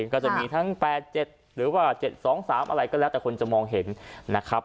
ก็จะมีทั้งแปดเจ็ดหรือว่าเจ็ดสองสามอะไรก็แล้วแต่คนจะมองเห็นนะครับ